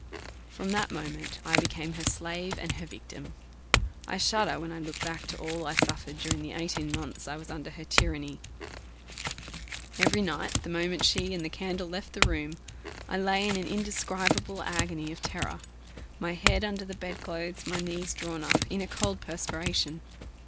From that moment I became her slave, and her victim. I shudder when I look back to all I suffered during the eighteen months I was under her tyranny. Every night, the moment she and the candle left the room, I lay in an indescribable agony of terror; my head under the bed clothes, my knees drawn up, in a cold perspiration.